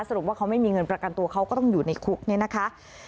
ว่าเขาไม่มีเงินประกันตัวเขาก็ต้องอยู่ในคุกเนี่ยนะคะ